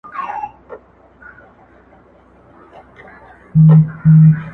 زه غښتلی یم له مځکي تر اسمانه-